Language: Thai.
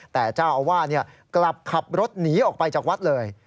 แต่เจ้าอาวาสกลับขับรถหนีออกไปจากวัดเลย